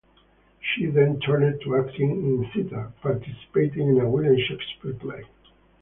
She then turned to acting in theater, participating in a William Shakespeare play.